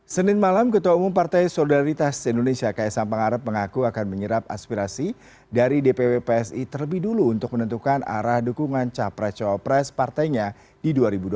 senin malam ketua umum partai solidaritas indonesia kaisang pangarep mengaku akan menyerap aspirasi dari dpw psi terlebih dulu untuk menentukan arah dukungan capres cowapres partainya di dua ribu dua puluh empat